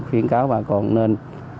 khuyến cáo bà con nên